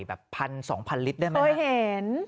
แบบพันสองพันลิตรได้ไหมเคยเห็น